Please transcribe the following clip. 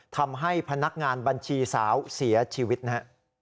ทำให้พนักงานบัญชีสาวเสียชีวิตนะฮะ